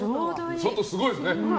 外すごいですね。